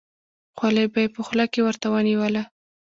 خولۍ به یې په خوله کې ورته ونیوله.